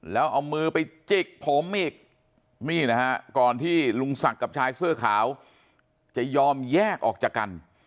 แล้วเอามือไปจิกผมอีกนี่นะฮะก่อนที่ลุงศักดิ์กับชายเสื้อขาวจะยอมแยกออกจากกัน